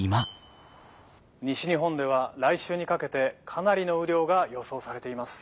「西日本では来週にかけてかなりの雨量が予想されています」。